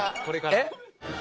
えっ？